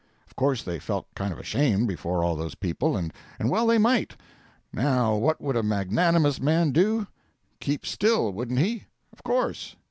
Of course they felt kind of ashamed before all those people, and well they might. Now, what would a magnanimous man do? Keep still, wouldn't he? Of course.